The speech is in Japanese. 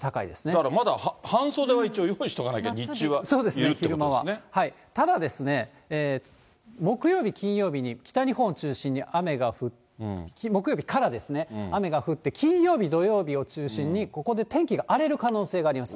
だから半袖を一応用意しておかないと、日中は、いるっていう昼間は、ただですね、木曜日、金曜日に、北日本を中心に雨が降って、木曜日からですね、雨が降って、金曜日、土曜日を中心にここで天気が荒れる可能性があります。